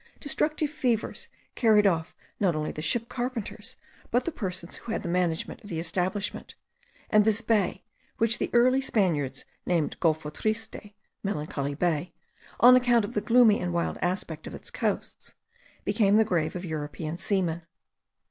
Destructive fevers carried off not only the ship carpenters, but the persons who had the management of the establishment; and this bay, which the early Spaniards named Golfo Triste (Melancholy Bay), on account of the gloomy and wild aspect of its coasts, became the grave of European seamen.